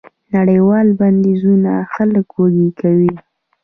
نړیوال بندیزونه خلک وږي کوي.